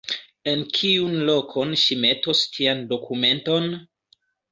En kiun lokon ŝi metos tian dokumenton?